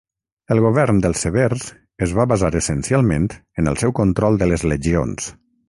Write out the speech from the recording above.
El govern dels Severs es va basar essencialment en el seu control de les legions.